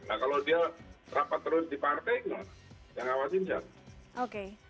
nah kalau dia rapat terus di partai yang ngawasinnya